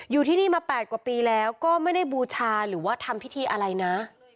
อยู่ที่นี่มา๘กว่าปีแล้วก็ไม่ได้บูชาหรือว่าทำพิธีอะไรนะ